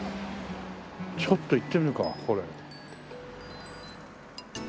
ちょっと行ってみようかこれ。